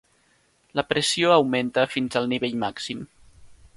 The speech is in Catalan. La pressió augmenta fins al nivell màxim.